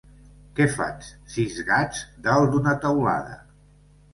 Què fan sis gats dalt d'una teulada?